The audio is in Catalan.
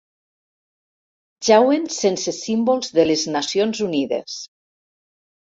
Jauen sense símbols de les Nacions Unides.